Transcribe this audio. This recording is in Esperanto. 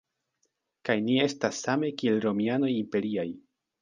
Kaj ni estas same kiel romianoj imperiaj.